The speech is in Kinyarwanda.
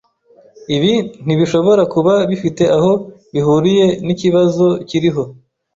Ibi ntibishobora kuba bifite aho bihuriye nikibazo kiriho.